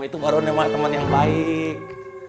itu baru memang teman yang baik